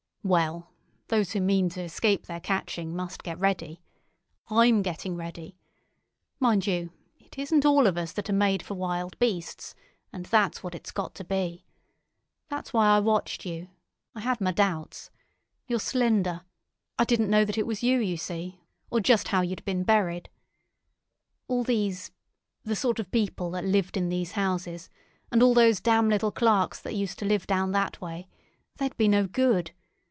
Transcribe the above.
"Well, those who mean to escape their catching must get ready. I'm getting ready. Mind you, it isn't all of us that are made for wild beasts; and that's what it's got to be. That's why I watched you. I had my doubts. You're slender. I didn't know that it was you, you see, or just how you'd been buried. All these—the sort of people that lived in these houses, and all those damn little clerks that used to live down that way—they'd be no good.